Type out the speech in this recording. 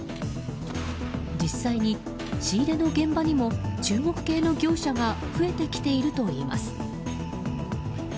実際に、仕入れの現場にも中国系の業者が増えてきているといいます。